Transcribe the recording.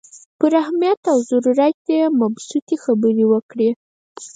پر اهمیت او ضرورت یې مبسوطې خبرې وکړې.